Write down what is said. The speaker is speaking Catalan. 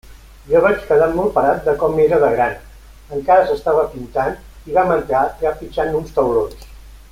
Jo vaig quedar molt parat de com era de gran; encara s'estava pintant, i vam entrar trepitjant uns taulons.